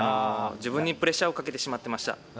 自分にプレッシャーをかけてしまってました。